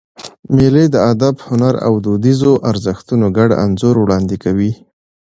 مېلې د ادب، هنر او دودیزو ارزښتونو ګډ انځور وړاندي کوي.